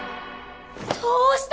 どうした！？